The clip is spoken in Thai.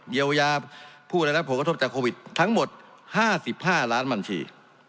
เยียวยาพูดอะไรแล้วผลกระทบจากโควิดทั้งหมดห้าสิบห้าล้านมันชี